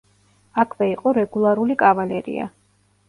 აქვე იყო რეგულარული კავალერია.